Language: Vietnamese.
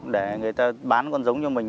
để người ta bán con giống cho mình